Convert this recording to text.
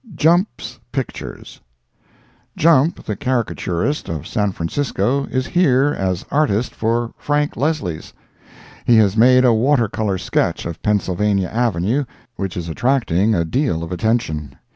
Jump's Pictures. Jump, the caricaturist, of San Francisco, is here as artist for Frank Leslie's. He has made a water color sketch of Pennsylvania Avenue, which is attracting a deal of attention.